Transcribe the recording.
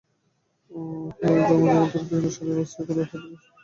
উহাই জন্মজন্মান্তরে বিভিন্ন শরীর আশ্রয় করে, উহার পশ্চাতে মানুষের আত্মা রহিয়াছে।